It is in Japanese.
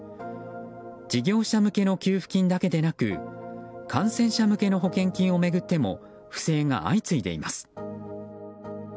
事業者向けの給付金だけでなく感染者向けの保険金を巡っても不正が相次いでいます。